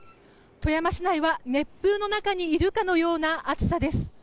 富山市内は、熱風の中にいるかのような暑さです。